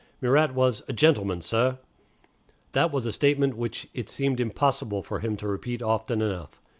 Murat was "a gentleman, sah." That was a statement which it seemed impossible for him to repeat often enough.